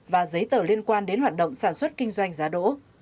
và giấy tờ liên quan đến hoạt động sản xuất kinh doanh giá đỗ